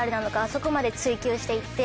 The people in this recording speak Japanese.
そこまで追究していって。